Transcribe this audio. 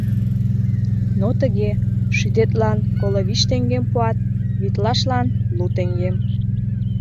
Но тыге: шӱдетлан коло вич теҥгем пуат, витлашлан — лу теҥгем.